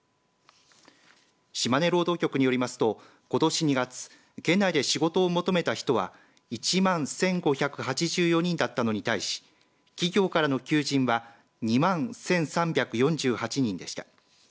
島根労働局によりますとことし２月県内で仕事を求めた人は１万１５８４人だったのに対し企業からの求人は２万１３４８人でした。